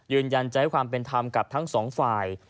ยืนยันจะให้ความเป็นธรรมกับทั้งสองฝ่าย